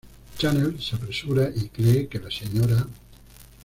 Chanel se apresura y cree que la Sra.